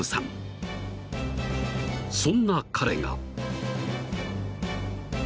［そんな彼が］